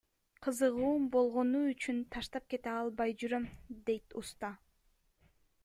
Кызыгуум болгону үчүн таштап кете албай жүрөм, — дейт уста.